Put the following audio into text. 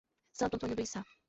Santo Antônio do Içá